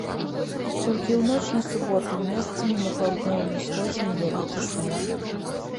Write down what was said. Толькі ў ноч на суботу месцамі на паўднёвым усходзе невялікі снег.